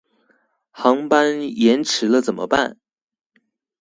航班延遲了怎麼辦